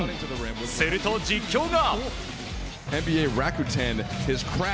すると、実況が。